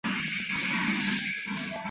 由八十三名司铎名管理五十三个堂区。